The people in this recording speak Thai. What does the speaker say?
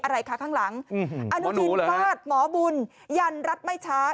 อะไรค่ะข้างหลังอ๋อมอบุญยันรัฐไม่ช้า